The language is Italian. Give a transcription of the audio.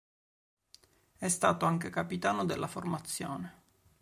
È stato anche capitano della formazione.